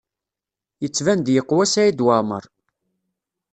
Yettban-d yeqwa Saɛid Waɛmaṛ.